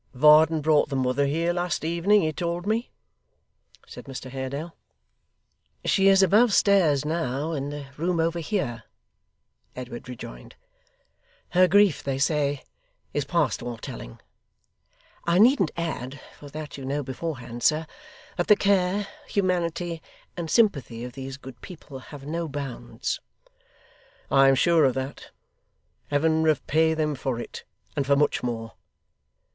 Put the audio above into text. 'Varden brought the mother here last evening, he told me?' said Mr Haredale. 'She is above stairs now in the room over here,' Edward rejoined. 'Her grief, they say, is past all telling. I needn't add for that you know beforehand, sir that the care, humanity, and sympathy of these good people have no bounds.' 'I am sure of that. Heaven repay them for it, and for much more!